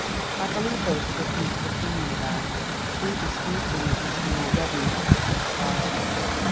I believe there was a difference of opinion about it, he disputing with Mr. Mulready and Captain Stryker.